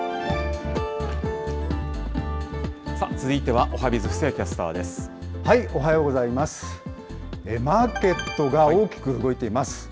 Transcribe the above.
続いてはおはＢｉｚ、おはようございます。